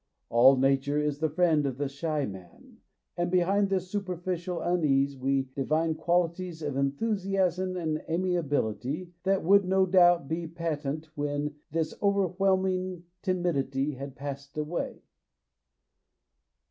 All Nature is the friend of the shy man, and behind this superficial unease we divined qualities of enthusiasm and ami ability that would no doubt be patent when this overwhelming timidity had passed away.